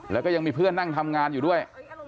แล้วก็ยังมีเพื่อนนั่งทำงานอยู่ด้วย